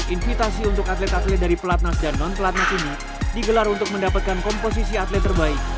invitasi untuk atlet atlet dari pelatnas dan non pelatnas ini digelar untuk mendapatkan komposisi atlet terbaik